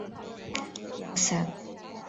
现任民主进步党籍基隆市议员。